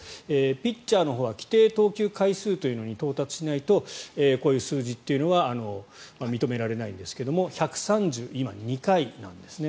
ピッチャーのほうは規定投球回数というのに到達しないとこういう数字というのは認められないんですが今、１３２回なんですね。